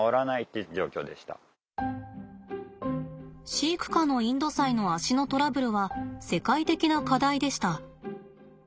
飼育下のインドサイの足のトラブルは世界的な課題でした。